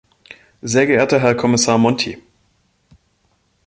Sehr geehrter Herr Kommissar Monti!